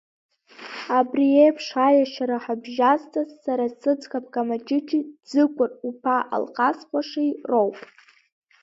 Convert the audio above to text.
Абри еиԥш аешьара ҳабжьазҵаз сара сыӡӷаб Камаҷыҷи Ӡыкәыр уԥа Алхас хәашеи роуп.